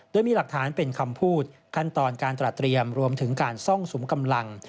โดยมีหลักฐานเป็นคำพูดขั้นตอนการตรัสเตรียมรวมถึงการซ่องสุมกำลัง